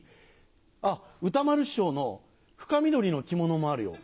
あっ歌丸師匠の深緑の着物もあるよ。